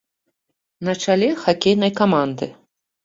На чале хакейнай каманды.